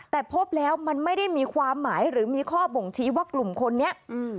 แต่พบแล้วมันไม่ได้มีความหมายหรือมีข้อบ่งชี้ว่ากลุ่มคนนี้